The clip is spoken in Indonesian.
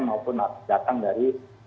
maupun datang dari